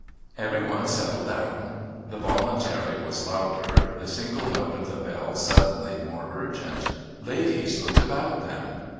Every one settled down; the voluntary was louder, the single note of the bell suddenly more urgent. Ladies looked about them.